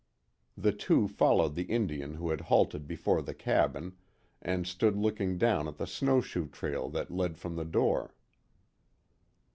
The two followed the Indian who had halted before the cabin, and stood looking down at the snowshoe trail that led from the door.